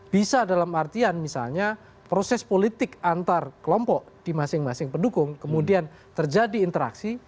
bisa dalam artian misalnya proses politik antar kelompok di masing masing pendukung kemudian terjadi interaksi